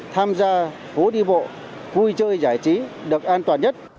tham gia phố đi bộ vui chơi giải trí được an toàn nhất